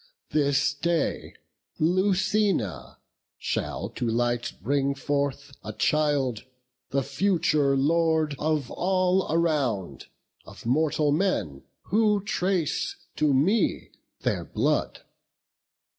This day Lucina shall to light bring forth A child, the future Lord of all around, Of mortal men, who trace to me their blood.